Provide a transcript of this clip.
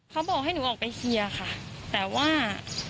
เขาบอกให้หนูออกไปเคลียร์ค่ะแต่ว่า